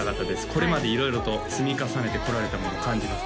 これまで色々と積み重ねてこられたものを感じます